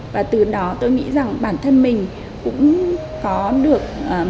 và từ đó tôi nghĩ rằng bản thân mình cũng có được